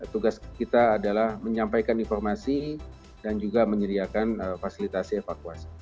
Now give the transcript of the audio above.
tugas kita adalah menyampaikan informasi dan juga menyediakan fasilitasi evakuasi